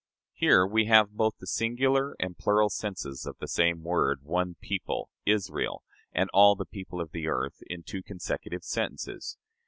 Here we have both the singular and plural senses of the same word one people, Israel, and all the people of the earth in two consecutive sentences.